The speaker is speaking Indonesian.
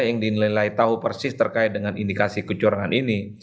yang dinilai tahu persis terkait dengan indikasi kecurangan ini